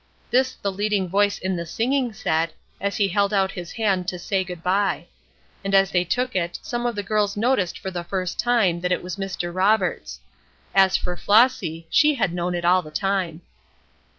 This the leading voice in the singing said, as he held out his hand to say good bye. And as they took it some of the girls noticed for the first time that it was Mr. Roberts; as for Flossy, she had known it all the time.